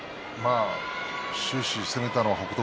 終始攻めたのは北勝